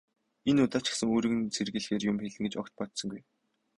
Энэ удаа ч гэсэн өөрийг нь сэрхийлгэхээр юм хэлнэ гэж огт бодсонгүй.